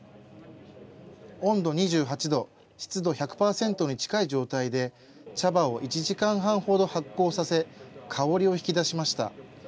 温度２８度、湿度１００％に近い状態で、茶葉を１時間半ほど発酵させ、香りを引き出しました。